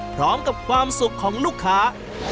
พร้อมกับความสุขของลูกค้า